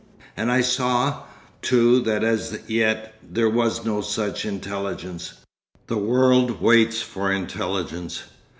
And I saw, too, that as yet there was no such intelligence. The world waits for intelligence.